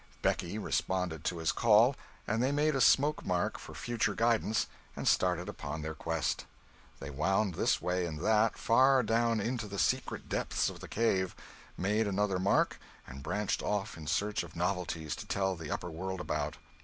Becky responded to his call, and they made a smoke mark for future guidance, and started upon their quest. They wound this way and that, far down into the secret depths of the cave, made another mark, and branched off in search of novelties to tell the upper world about.